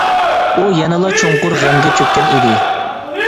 ئۇ يەنىلا چوڭقۇر غەمگە چۆككەن ئىدى.